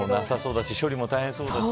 処理も大変そうだし。